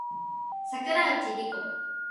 桜内梨子